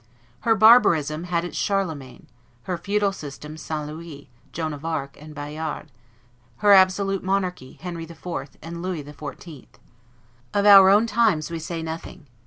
Her barbarism had its Charlemagne; her feudal system St. Louis, Joan of Arc, and Bayard; her absolute monarchy Henry IV. and Louis XIV. Of our own times we say nothing.